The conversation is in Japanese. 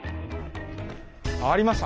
ありました